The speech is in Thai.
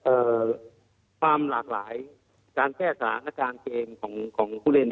เอ่อความหลากหลายการแก้กราศน์และการเกมของของผู้เล่น